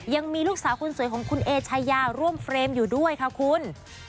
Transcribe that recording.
ยังมีลูกสาวคนสวยของคุณเอชายาร่วมเฟรมอยู่ด้วยค่ะคุณ